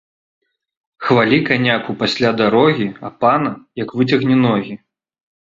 Хвалі каняку пасля дарогі, а пана ‒ як выцягне ногі